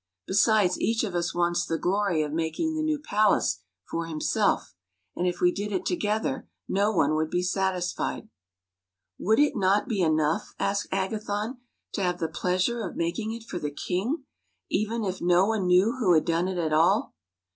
Besides, each of us wants the glory of making the new palace for himself, and if we did it together no one would be satisfied." " Would it not be enough," asked Agathon, " to have the pleasure of making it for the king, even if no one knew who had done it at all?